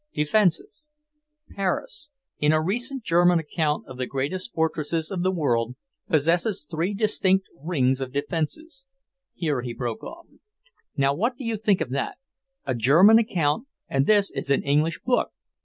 "Defences: Paris, in a recent German account of the greatest fortresses of the world, possesses three distinct rings of defences" here he broke off. "Now what do you think of that? A German account, and this is an English book!